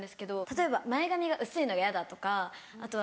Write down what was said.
例えば「前髪が薄いのが嫌だ」とかあとは。